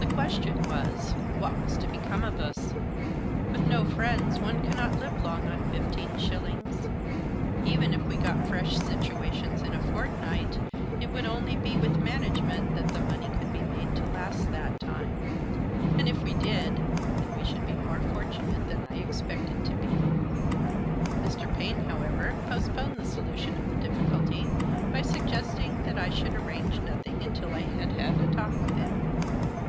THE question was, what was to become of us ? With no friends one cannot live long on fifteen shillings, Even if we got fresh situations in a fortnight it would only be with management that the money could be made to last that time ; and, if we did, then we should be more fortunate than I expected to be. Mr. Paine, however, postponed the solution of the difficulty by suggesting that I should arrange nothing until I had had a talk with him.